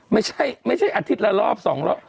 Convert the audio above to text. ไม่ใช่อาทิตย์ละรอบ๒รอบ